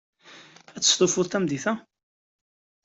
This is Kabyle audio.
Ad testufu tameddit-a?